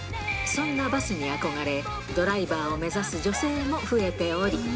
そんなバスに憧れ、ドライバーを目指す女性も増えており。